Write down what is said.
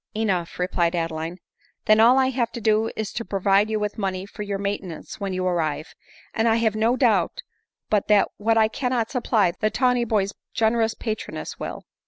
" Enough," replied Adeline ; then all I have to do is to provide you with money for your maintenance when you arrive ; and I have no doubt but that what I cannot supply, the tawny boy's generous patroness will."